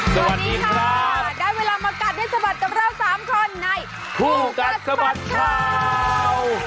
สวัสดีค่ะได้เวลามากัดให้สะบัดกับเรา๓คนในคู่กัดสะบัดข่าว